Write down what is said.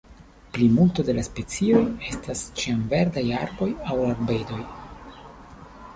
Plimulto de la specioj estas ĉiamverdaj arboj aŭ arbedoj.